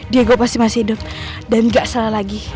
diego pasti masih hidup dan gak salah lagi